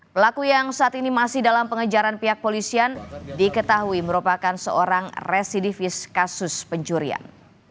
pelaku yang saat ini masih dalam pengejaran pihak polisian diketahui merupakan seorang residivis kasus pencurian